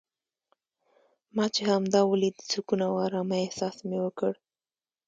ما چې همدا ولید د سکون او ارامۍ احساس مې وکړ.